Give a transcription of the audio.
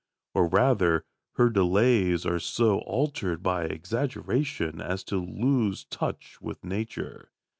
Or, rather, her delays are so altered by exaggeration as to lose touch with Nature.